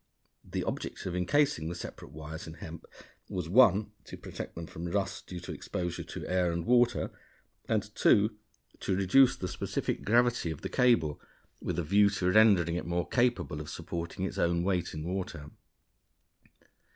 The object of incasing the separate wires in hemp was (1) to protect them from rust due to exposure to air and water, and (2) to reduce the specific gravity of the cable, with a view to rendering it more capable of supporting its own weight in water.